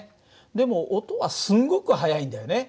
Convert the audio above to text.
でも音はすんごく速いんだよね。